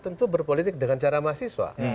tentu berpolitik dengan cara mahasiswa